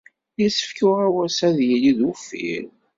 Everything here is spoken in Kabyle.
Yessefk uɣawas-a ad yili d uffir.